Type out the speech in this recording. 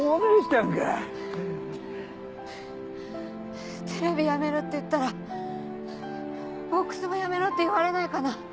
テレビやめるって言ったらボックスもやめろって言われないかな。